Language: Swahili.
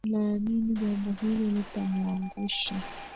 naamini jambo hilo litamuangusha